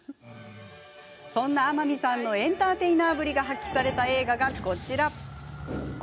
そんな天海さんのエンターテイナーぶりが発揮された映画が、こちら。